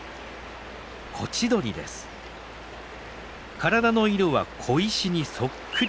体の色は小石にそっくり。